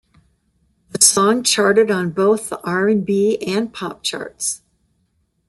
The song charted on both the R and B and pop charts.